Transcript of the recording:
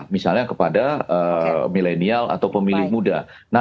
misalnya kepada milenial atau pemilih muda